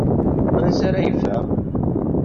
Ansa ara yeffeɣ?